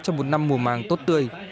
cho một năm mùa màng tốt tươi